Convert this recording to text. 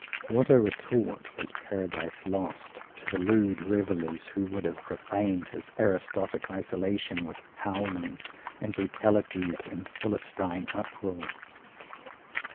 What a retort was "Paradise Lost" to the lewd revellers who would have profaned his aristocratic isolation with howlings and brutalities and philistine uproar!